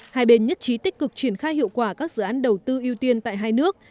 hai bên nhất trí tích cực triển khai hiệu quả các dự án đầu tư ưu tiên tại hai nước